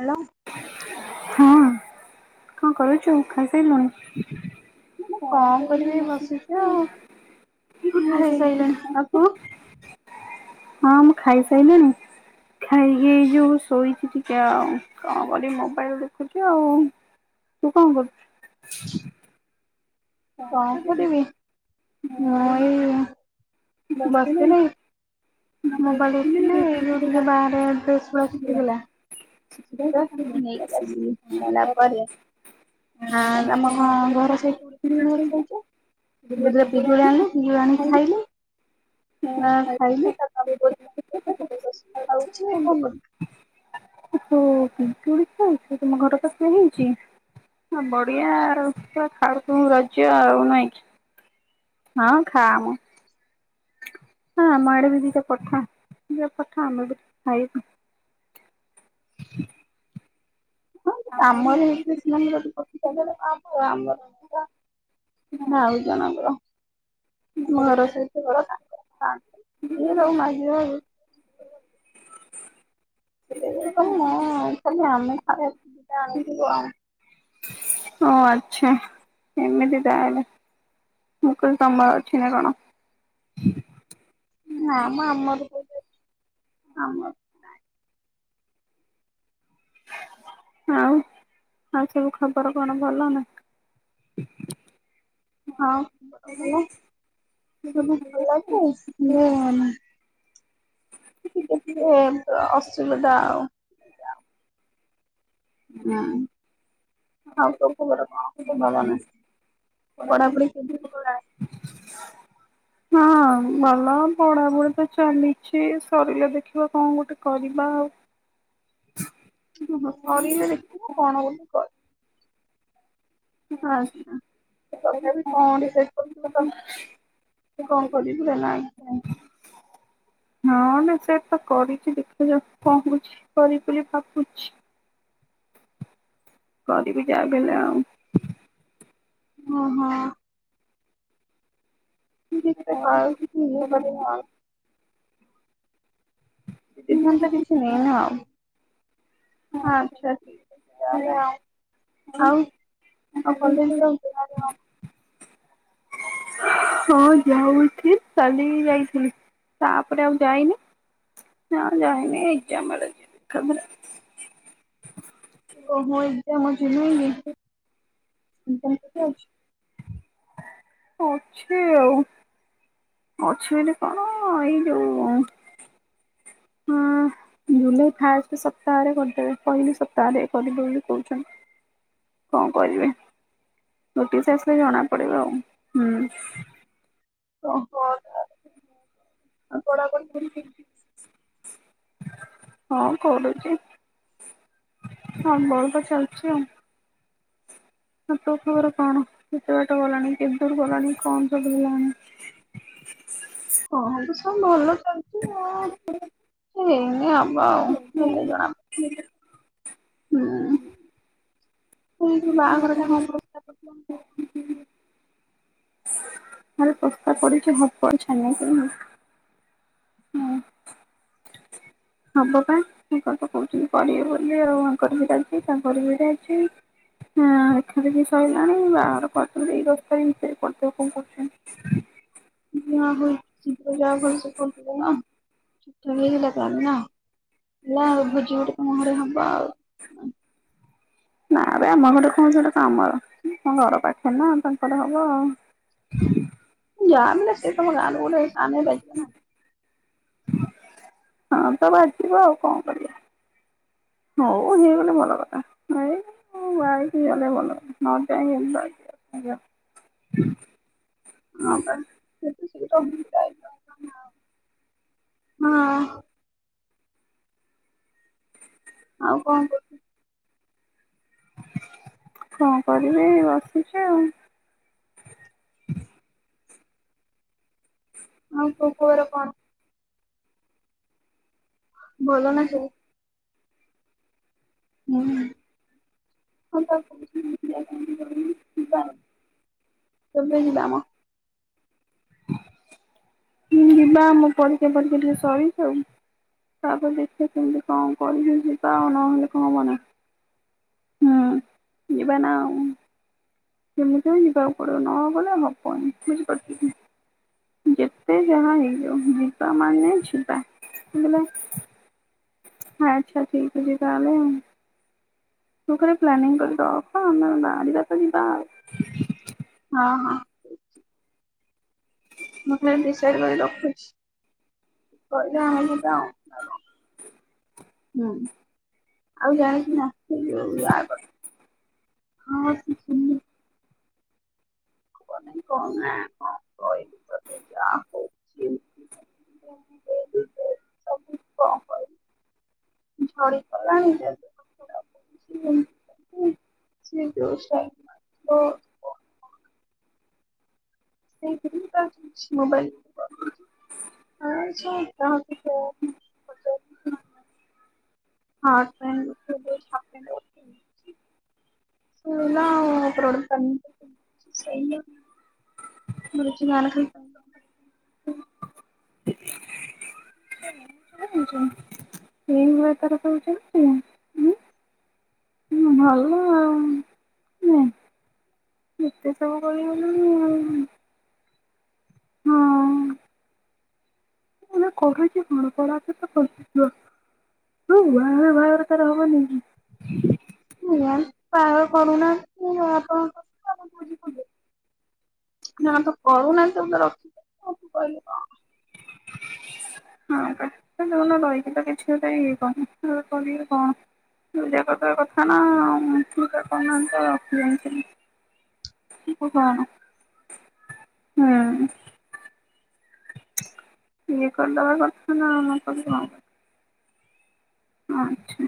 Hello. ହଁ। କଁ କରୁଚୁ ଖାଇସାଇଲୁଣି? ମୁଁ କଣ କରିବି ଏଇ ବସିଚି ଆଉ ହଁ ଖାଇ ହେଇ ସାଇଲିଣି ଆଉ ତୁ? ହଁ ମୁଁ ଖାଇସାଇଲିଣି। ଖାଇକି ଏଇ ଯୋଉ ଶୋଇଚି ଟିକେ ଆଉ କଣ କରିମି ମୋବାଇଲ ଦେଖୁଚି ଆଉ। ତୁ କଣ କରଚୁ? କଣ କରିବି ମୁଁ ଏଇ ବସଥିଲି। ମୋବାଇଲ ଦେଖୁଥୁଲି ଏଇ ଯୋଉ ଟିକେ ବାହାରେ ଡ୍ରେସ ଗୁଡା ଶିଖୁଥିଲା ଛୁଟି ତ ତାକୁ ନେଇକି ଆସିି ଆଣିଲା ପରେ ଆ ଆମ ଘ ଘର ସେଇ ପୁରୀ। ପିଜୁଳି ଗଛ ଅଛି ବୋଧେ ପିଜୁଳି ଆଇଁଲେ ପିଜୁଳି ଆଣିକି ଖାଇଲେ। ହଁ ଖାଇଲି ତା [inaudible] ବସି ଖାଉଚି ଆଉ କଣ କରି ଓହୋ ପିଜୁଳି ଖାଉଚ ତମ ଘର ପାଖରେ ହୋଉଚି? ଆ ବଢିଆ ଆଉ ତ ଖାଉଥୁବୁ ରଜ ଆଉ ନାଇଁ କି। ହଁ ଖାଆ ମ। ହଁ ଆମ ଆଡେ ବି ଦିଇଟା ପଠା ଇଏ ପଠା ଆମେ ବି ଟିକେ ଖାଇବୁ। ହଁ କିଛି କାମରେ ହେଇଥିଲେ ସିନା ଯଦି [inaudible] ଆମର ତ ନାଁ ଆଉ ଜଣଙ୍କର ଘର ସେ କେବଳ ସେଇଆ ପା ମୁଁ ଖାଲି ଆମେ [unintelligible] ଓ ଆଛା ଏମିତି ତାହେଲେ। ମୁଁ କହିଲି ତମର ଅଛି ନା କଣ। ନା ମ ଆମର କୋଉଠି ଅଛି ଆମର ଆଉ ଆଉ ସବୁ ଖବର କଣ ଭଲନା? ହଁ ଖବର ଭଲ ସବୁ ଭଲ ଯେ କିନ୍ତୁ ଟିକେ ଟିକେ ଏବେ ଅସୁବିଧା ଆଉ। ନାଇଁ। ଆଉ ତୋ ଖବର କଣ ସବୁ ଭଲ ନା ପଢାପଢି କେମତି [inaudible] ହଁ ଭଲ ପଢାପଢ଼ି ତ ଚାଲିଚି ସରିଲେ ଦେଖିବା କଣ ଗୋଟେ କରିବା ଆଉ। ଓହୋ ସରିଲେ ଦେଖିବା କଣ ବୋଲି କ ଆଚ୍ଛା ତଥାପି କଣ ଗୋଟେ ସେଟ୍ କରୁଥିବୁ [inaudible] କଣ କରିବୁ [unintelligible] ଲାଇଫ ପାଇଁ ହଁ ନା ସେ ତ କରିଚି ଦେଖା ଯାଉ କଣ ହୋଉଚି କରିବ ବୋଲି ଭାବୁଛି। କରିବି ଯାବି ହେଲେ ଆଉ। ଓହୋ। ଠିକସେ କୋଉଠି କି ଇଏ କରିବା ଆଉ। ସିଦ୍ଧାନ୍ତ କିଛି ନେଇ ନ ଆଉ। ହଁ ଆଚ୍ଛା ଠିକ ଅଛି ତାହାଲେ ଆଉ। ଆଉ ଆଉ କଲେଜ କେନତି? [inaudible] ହଁ ଯାଉଛି କାଲି ଯାଇଥିଲି ତାପରେ ଆଉ ଯାଇନି। ନା ଯାଇନି ଏଗଜାମ ବେଳେ ଯିବି ଏକାଥରେ। ଓହୋ ଏଗଜାମ ଅଛି ନାଇଁ କି। ଅଛି ଆଉ। ଅଛ ମାନେ କଣ ଏଇ ଯୋଉ ଜୁଲାଇ ଫାଷ୍ଟ ସପ୍ତାହରେ କରିଦେବେ ପହିଲି ସପ୍ତାହରେ କରିବେ ବୋଲି କୋହୁଛନ୍ତି। କଣ କରିବେ ନୋଟିସ ଆସିଲେ ଜଣାପଡିବ ଆଉ ହୁଁ। ଓହୋ ତା ହୁ ହ ଆ [unintelligible] ହୁଁ ହ ହଁ କରୁଛି ହଁ ଭଲ ତ ଚାଲିଛି ଆଉ। ଆଉ ତୋ ଖବର କଣ କେତେ ବାଟ ଗଲାଣି କେତେ ଦୁର ଗଲାଣି କଣ ସବୁ ହେଲାଣି? ଖବର ତ ସବୁ ଭଲ ଚାଲଚ୍ଛି ଆଉ ସେ ହେଇନି ଆଉ। ଆଉ ଭଲ ଜଣା। ହୁଁ ବାହାଘରଟା ହବ। ପଡ଼ିଛି ହବ ଛାନିଆ କାଇଁ ହୋଉଛୁ। ହବ ବା ଆଙ୍କର ତ କହୁଛନ୍ତି କରିବେ ବୋଲି ଆଉ ଆଙ୍କର ବି ରାଜି ତାଙ୍କର ବି ରାଜି। ହଁ ଦେଖାଦେଖି ସରିଲାଣି ବାହାଘର କରିଦୋବୁ ଏଇ ଦଶ ତାରିଖ ଭିତରେ କରିଦେବ କଣ କହୁଛନ୍ତି। ଯାହା ହେଉ ଶିଘ୍ର ଯା ଭଲ ସେ କରିଦୋବୁ ନା ଠିକ୍ ଠାକ୍ [unintelligible] ନା। ହେଲା ଆଉ ଭୋଜି ଗୋଟେ ତମ ଘରେ ହବ ଆଉ। ନା ଏବେ ଆମ ଘରେ କଣ ଶେଟା ଆମର ଘର ପାଖେ ନା ତାଙ୍କର ହବ ଆଉ। ଯାମ ନ ସେ ତ ମ [unintelligible] ହଁ ତ ବାଜିବ ଆଉ କଣ କରିବା। ହଉ ହେଇଗନେ ଭଲ କଥା ନାଇ ଓ ବାହାହେଇକି ଗଲେ ଭଲ ନଅ ଟ ବା [unintelligible] ହଁ ପା ଯେତେ ଶିଘ୍ର ସେ [unintelligible] ହଁ। ହଁ। କଁ କରିବି ବସିଛି ଆଉ। ହଁ ତୋ ଖବର କଣ? ଭଲ ନାଁ ସବୁ? ହୁଁ। କେବେ ଯିବା ମ? ହୁଁ ଜିବା ମୋ ପରୀକ୍ଷା ଫରିକ୍ଷା ଟିକେ ସରିଯାଉ। ତାପରେ ଦେଖିବା କେମିତି କଣ କରିକି ଯିବା ଆଉ ନହେଲେ କଣ ହବ ନା। ହୁଁ ଯିବା ନା ଆଉ। ଯେମିତି ହେଉ ଯିବାକୁ ପଡିବ ନଗଲେ ହବନି ବୁଝିପାରୁଛୁ କି। ଯେତେ ଜଣ ହେଇଯାଉ ଯିବା ମାନେ ଯିବା ହେଲା। ଆଚ୍ଛା ଠିକ୍ ଅଛି ତାହେଲେ। ତୁ ଖାଲି ପ୍ଲାନିଂ କରି ରଖ ଆମେ ବାହାରିବା ତ ଯିବା ଆଉ। ହଁ ହଁ। ମୁଁ ଖାଲି [unintelligible] କରି ରଖୁଛି। କହିଲେ ହଁ ଯିବା ଆଉ ହୁଁ। ଆଉ ଜାଣିଚୁ ନା ଆସିଲୁ ଇଆ କଥା ହଁ [unintelligible] କ ନାଇଁ କଣ ନା କଣ କହିବି ତତେ ଯାହା ହୋଉ। [unintelligible] କଣ କହିବି? ଝଡିଗଲାଣି ଦେହ ବି ଖରାପ ହୋଉଛି ଆଉ। ହଁ ସେ ଯୋଉ [unintelligible] ସେ ଯୋଗୁ ତାର ମୋବାଇଲ [unintelligible] ହଁ [unintelligible] [unintelligible] [unintelligible] ଏଇ [unintelligible] ତାର କହୁଛନ୍ତି। ହୁଁ ଭଲ ଆଉ ନୁହେଁ। ଏତେ ସବୁ କରି ଗଲେଣି। ହଁ। ମାନେ କରୁଛି କଣ ପରାପ ତ ବସିଯିବ ତୁ ନୂଆ ବାହା ଘର ତାର ହବନି। [unintelligible] କରୁନାହାନ୍ତି। ନା ତ କରୁନାହାନ୍ତିବୋଲି ରଖିଛନ୍ତି ତାଙ୍କୁ କହିଲେ କଣହବ। ହଁ ପା ତଦେଖୁନ ରହିଥିଲେ କିଛିଗୋଟେ ଇଏ କହନି କି କଣ। [unintelligible] କହିବୁ କଣ ହୁଁ ଇଏ କରିଦବା କଥା ନା ନ କଲେ କଣ ହ ଆଚ୍ଛା।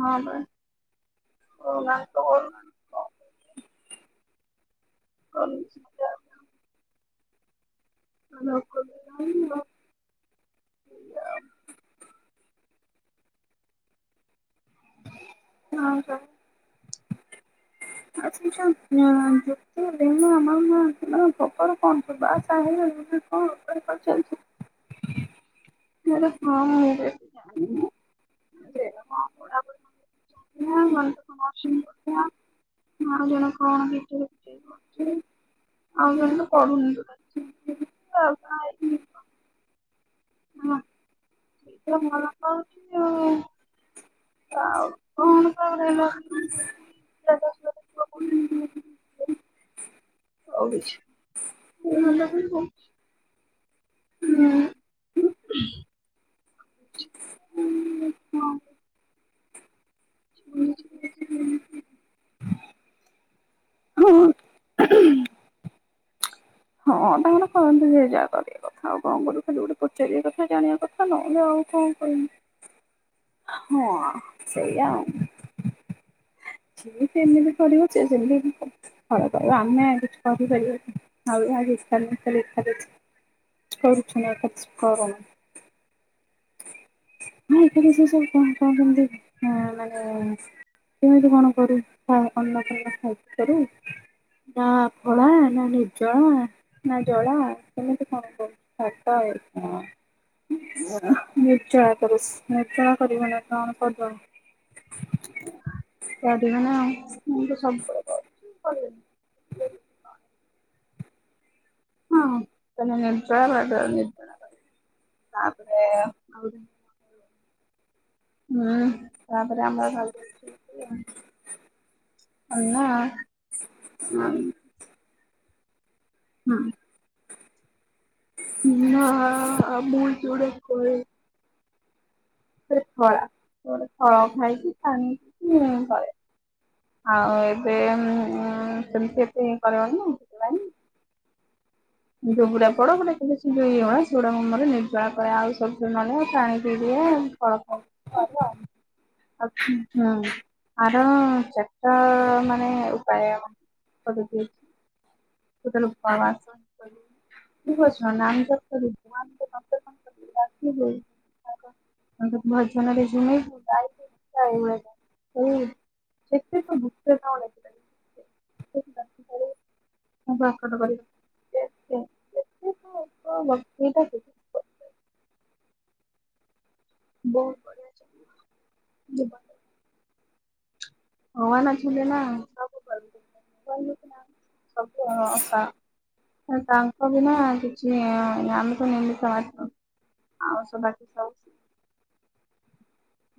ହଁ ପା ତୋ ଭାଇ ତ କରୁ ନାହାଁନ୍ତି। [unintelligible] ହଁ ରଖୁଚି ହୁଁ ହୁଁ। [unintelligible] ମାଉଁସ। [unintelligible] ବାହା ସାହା ହେଲଣି ଏବେ କଣଟେନସନ୍ ଚାଲିଚି। [unintelligible] [unintelligible] ସେଇ ପଢ଼ୁଚି ଆଉ ଜଣେ ତ ପଢୁନି ଟୋଟାଲି। ହୁଁ ସେ ତ ଭଲ ପାଉଚି ଆଉ। [unintelligible] କାଉ କଣ ତାର ହେଲା। ଷ୍ଟାଟସ୍ ଷ୍ଟୋରି ପକଉଚି। [unintelligible] ହୁଁ ଉ ହୁଁ। ଉଁ ହୁଁ। ହୁଁ। ହୁ ହୁଁ। ହଁ ତାଙ୍କର କରନ୍ତୁ ଜେ ଜାହା କରିବା କଥା ଆଉ କଣ କରିବୁ। ଖାଲି ଗୋଟେ ପଚାରିବା କଥା ଜାଣିବା କ ଥା ନହଲେ ଆଉ କଣ କହିବୁ। [unintelligible] ହଁ ସେଇଆ ଆଉ। ଯିଏ ଯେମିତି କରିବ ସିଏ ସେମିତି ହିଁ ହବ। ହଳ କରିବ ଆମେ କିଛି କହିଁପାରିବାନି [unintelligible] କରୁଛିନା କିଛି କରନ। ହଁ ଏବେ ଯୋଉ ସେ ସବୁ କଣ କଣ କେମିତି ହଁ ମାନେ। ତୁ କଣ କରୁ ଆ ଅନସ [unintelligible] କରୁ ନା ଆପଣା ନା ନିଜା। ନାଇଁ ଜଳା କେମିତି କଣ କରିକି ଖାଉଚଆଉହଁ। ନିର୍ଜଳା କରୁଚି ନିର୍ଜଳା କରିବ ନା କଣ କରିବ। କରିବ ନା ଆଉ ମୁଁ ତ ସବୁବେଳେ। ହ [unintelligible] ତାପରେ ହୁଁ ତାପରେ ଆମର ଖାଉଚୁ। [unintelligible] ଅନ୍ନ ହୁ ହୁଁ [unintelligible] ମୁ ଯୋଉଟା କହିଲି ତ୍ରିଫଳା ଗୋଟେ ଫଳ ଖାଇଚି ପାଣି [unintelligible] ଆଉଏବେ ଉଁ [unintelligible] ଏତେ କର [unintelligible] ଯୋଉଗୁଡା ବଡ [unintelligible] ନ ହେଲେ ପାଣି ପିଇଦିଏ ଫଳ ଖାଇ ଦିଏ କରୁ ଆଉ ଆଉ ହୁଁ। ଆର ଚାରଟା ମାନେ ଉପାୟ ପଦ୍ଧତି। ପଟେଲ [unintelligible] କାଟିଦେ। ଭଜନରେ ଝୁମେଇବୁୁ ଗାଇବୁ ସେଇ ସେଥିରେ ବୁଝେ କଁ [unintelligible] ମୁଖନ କରିବତେ ତ [unintelligible] ବହୁ [unintelligible] ଭଗବନ୍ ଅଛନ୍ତି ନା ଆଉ କିଛି ଦର୍ କାର୍ ନାଇଁ ସବୁ ଅକା ତାଙ୍କ ବିନା କିଛି, ଆମେ ତ ନିମିତ ମାତ୍ର। ଆଉ ସ ବାକି ସବୁ ସେ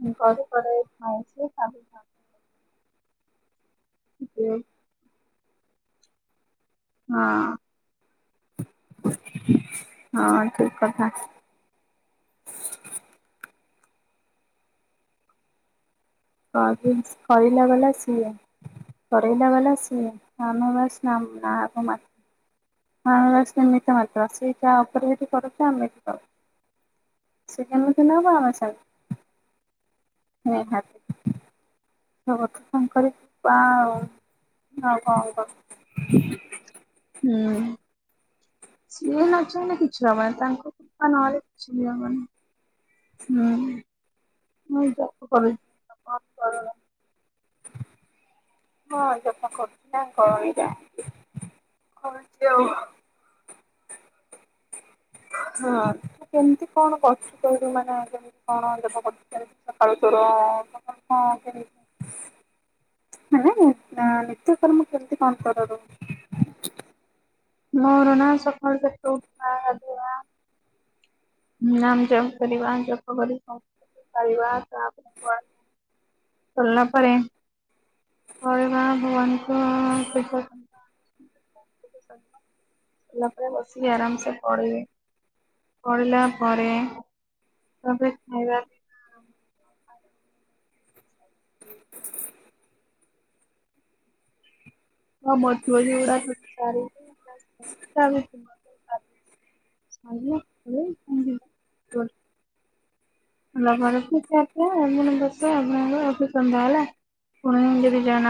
ମୁଁ କରି କରାଉ ଥାଏ ଯିଏ ତା ବିନା- [unintelligible] ହଁ। ହଁ ଠିକ୍ କଥା। କ ବିନ୍ସ କହିଲା ବାଲା ସିଏ। କରେଇଲା ବାଲା ସିଏ ଆମେ ବାସ୍ ନାମ୍ ନାଆକୁ ମାତ୍ର। ଆମେ ବାସ୍ ନିର୍ମିତ ମାତ୍ର ସେ ଯାହା ଉପରେ ଯଦି କରୁଥିବେ ଆମେ ଏଠି ପାଉ। ସେ କେମିତି ନବ ଆମ ସହ ନିହାତି। [unintelligible] ଆଉ କଣ କରୁଚ? ହୁଁ ସିଏ ନ ଚାହିଁଲେ କି କିଛି ହବନି ତାଙ୍କ ବିନା ନହଲେ କିଛି ବି ହବନି, ହୁଁ। ମୁଁ ଯ କ [inaudible] ହଁ ଜପ କରୁଚି ନା କରେ ଯା କରୁଚି ଆଉ। ହଁ କେମିତି କଣ କରୁଚୁ ତୁ ମାନେ ଆ ଦେହେରେ? କଣ ହ ସକାଳୁ ତୋର କଣ ହେଁ ନିତ୍ୟକର୍ମ କେମିତି କଣ କର? ମୋର ନା ସକାଳ କେତେ ଉଠା ଗାଧେଇବା ନାମ୍ ଜପ କରିବା ଜପ କରିବା ସାରିବା। ତା ପରେ ସାରିଲା ପରେ ପରିବରା ଭବାନଙ୍କୁ ପୂଜା ସରିଲା ଉପ ବସିକି ଆରାମ୍ ସେ ପଢିବି। ପଢିଲା ପରେ ତାପରେ ଖାଇବା [unintelligible] ହ [unintelligible] ହଁ ମଝି ମାଝୀ ଗୁଡା ସାରି ସାରୁଛି [unintelligible] ନ ମରପ ମଣ ବସ ଆପଣ ରନ୍ଧା ହେଲ ପୁଣି ଯିବିଜେ ଏଇନା-